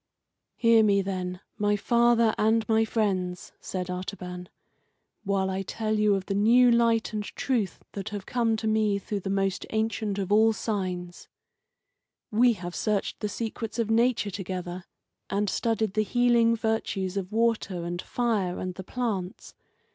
"Hear me, then, my father an while I tell you of the new light and truth that have come to me through the most ancient of all signs. We have searched the secrets of Nature together, and studied the healing virtues of water and fire and the plants.